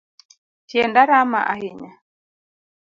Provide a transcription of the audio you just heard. Tienda rama ahinya.